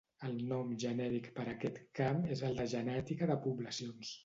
El nom genèric per a aquest camp és el de genètica de poblacions.